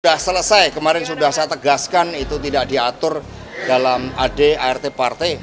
sudah selesai kemarin sudah saya tegaskan itu tidak diatur dalam ad art partai